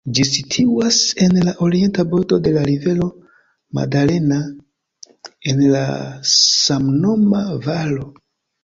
Ĝi situas en la orienta bordo de la rivero Magdalena, en la samnoma valo.